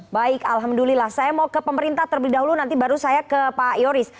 baik alhamdulillah saya mau ke pemerintah terlebih dahulu nanti baru saya ke pak yoris